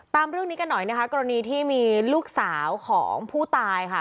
ตามเรื่องนี้กันหน่อยนะคะกรณีที่มีลูกสาวของผู้ตายค่ะ